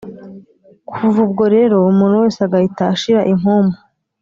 kuva ubwo rero umuntu wese agahita ashira impumu